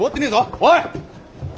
おい！